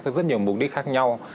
có rất nhiều mục đích khác nhau